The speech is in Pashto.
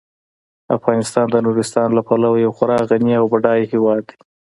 افغانستان د نورستان له پلوه یو خورا غني او بډایه هیواد دی.